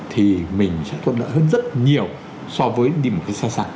thì mình sẽ thuận lợi hơn rất nhiều so với đi một cái so sạc